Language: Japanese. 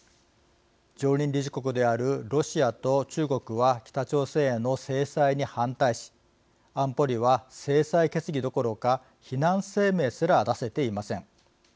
常任理事国であるロシアと中国は北朝鮮への制裁に反対し安保理は制裁決議どころか非難声明すら出せていません。